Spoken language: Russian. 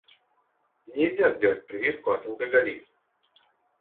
Нельзя сделать прививку от алкоголизма.